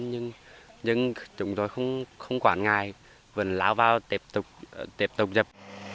nhưng chúng tôi không quản ngại vẫn láo vào tiếp tục dập